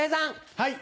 はい。